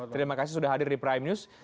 terima kasih sudah hadir di prime news